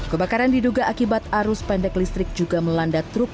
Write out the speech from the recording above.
kebakaran diduga akibat arus pendek listrik juga melanda truk